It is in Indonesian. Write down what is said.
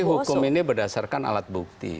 jadi hukum ini berdasarkan alat bukti